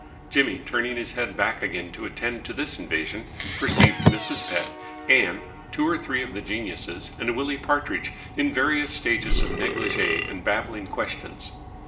Jimmy, turning his head back again to attend to this invasion, perceived Mrs. Pett, Ann, two or three of the geniuses, and Willie Partridge, in various stages of negligee and babbling questions.